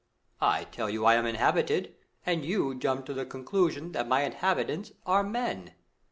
I tell you I am inhabited, and you jump to the conclusion that my inhabitants are men.